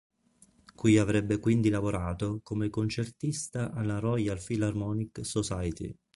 Qui avrebbe quindi lavorato come concertista alla Royal Philharmonic Society.